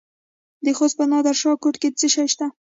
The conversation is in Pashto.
د خوست په نادر شاه کوټ کې څه شی شته؟